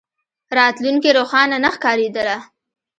راتلونکې روښانه نه ښکارېدله.